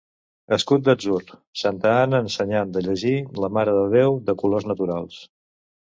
Escut d'atzur, Santa Anna ensenyant de llegir la Mare de Déu, de colors naturals.